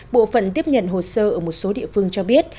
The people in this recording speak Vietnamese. bộ phận tiếp nhận hồ sơ ở một số địa phương cho biết